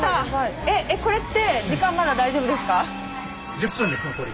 １０分です残り。